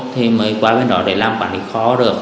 thì mới qua bên đó để làm quản lý khó được